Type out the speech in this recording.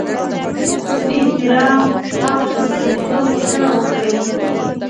د اختراع حق د خوندیتوب غوښتنه وکړي.